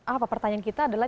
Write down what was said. apa pertanyaan kita adalah